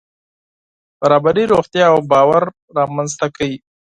برابري روغتیا او باور رامنځته کوي.